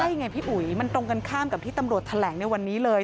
ใช่ไงพี่อุ๋ยมันตรงกันข้ามกับที่ตำรวจแถลงในวันนี้เลย